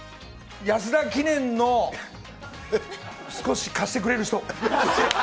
安田記念の少し貸してくれる人。